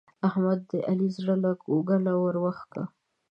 احمد د علي زړه له کوګله ور وکېښ.